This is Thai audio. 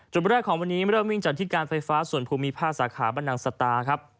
จุดแรกของวันนี้เริ่มวิ่งจากที่การไฟฟ้าส่วนภูมิภาคสาขาบันนังสตาครับ